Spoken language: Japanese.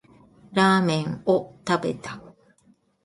ラーメンを食べた